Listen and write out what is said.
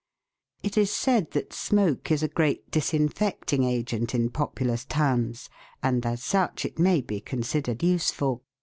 It is said that smoke is a great disinfecting agent in populous towns, and as such it may be considered useful ; SMOKE AND SOOT.